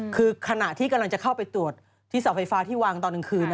คือขณะที่กำลังจะเข้าไปตรวจที่เสาไฟฟ้าที่วางตอนกลางคืน